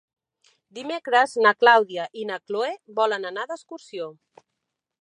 Dimecres na Clàudia i na Cloè volen anar d'excursió.